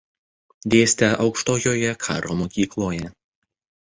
Dėstė Aukštojoje karo mokykloje.